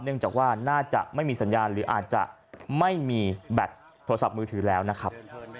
จากว่าน่าจะไม่มีสัญญาณหรืออาจจะไม่มีแบตโทรศัพท์มือถือแล้วนะครับ